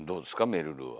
めるるは。